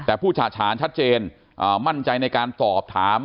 แต่ผู้ฉะฉานชัดเจนมั่นใจในการตอบถาม